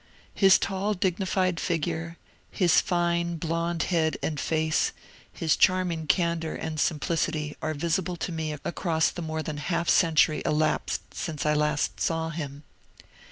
His tall dignified figure, his fine blond head and face, his charming candour and simplicity, are visible to me across the more than half century elapsed since I last saw him.